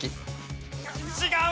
違う！